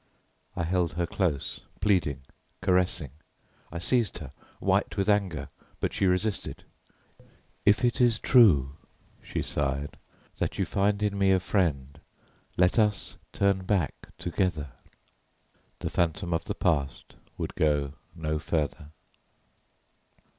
I held her close, pleading, caressing; I seized her, white with anger, but she resisted. "If it is true," she sighed, "that you find in me a friend, let us turn back together." The Phantom of the Past would go no further.